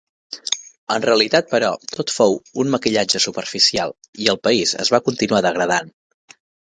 En realitat, però, tot fou un maquillatge superficial i el país es va continuar degradant.